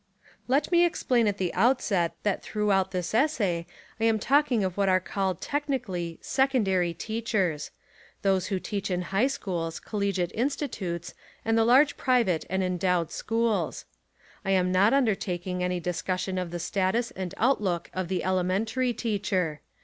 Let me explain at the outset that through out this essay I am talking of what are called technically "secondary" teachers — ^those who teach in high schools, collegiate institutes and the large private and endowed schools. I am 1 6s Essays and Literary Studies not undertaking any discussion of the status and outlook of the elementary teacher.